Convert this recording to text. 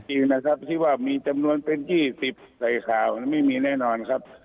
ชื่อว่ามีจำนวนเป็น๒๐ใส่ข่าวแล้วไม่มีแน่นอน